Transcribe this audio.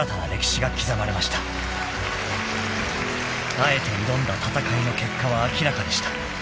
［あえて挑んだ戦いの結果は明らかでした］